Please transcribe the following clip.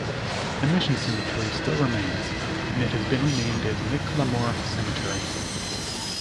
The mission cemetery still remains, and it has been renamed as McLemore Cemetery.